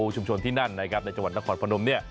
ชุมชนที่นั่นในจังหวัดนครพนม